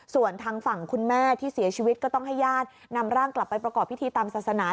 ส่วนทางฝั่งคุณแม่ที่เสียชีวิตก็ต้องให้ญาตินำร่างกลับไปประกอบพิธีตามศาสนา